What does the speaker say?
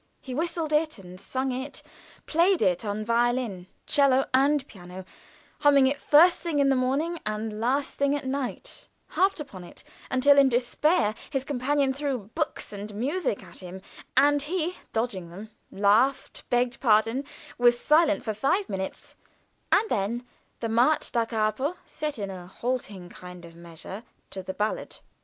He whistled it and sung it; played it on violin, 'cello and piano; hummed it first thing in the morning and last thing at night; harped upon it until in despair his companion threw books and music at him, and he, dodging them, laughed, begged pardon, was silent for five minutes, and then the March da Capo set in a halting kind of measure to the ballad.